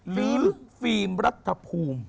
หรือฟิล์มรัฐภูมิ